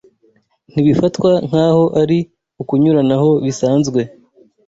ntibifatwa nk'aho ari ukunyuranaho bisanzwe